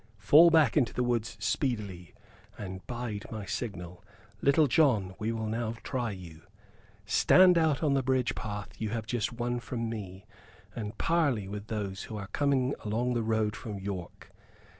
Fall back into the woods speedily; and bide my signal. Little John, we now will try you. Stand out on the bridge path you have just won from me and parley with those who are coming along the road from York.